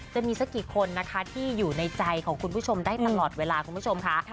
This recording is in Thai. จะมีสักกี่คนนะคะที่อยู่ในใจของคุณผู้ชมได้ตลอดเวลาคุณผู้ชมค่ะ